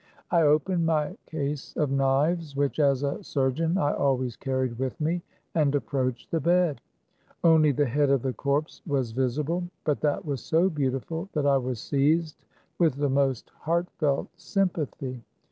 I opened my case of knives, which, as a sur 142 THE CAE AVAN. geon, I always carried with me, and approached the bed. Only the head of the corpse was visi ble. But that was so beautiful that I was seized with the most heartfelt sympathy.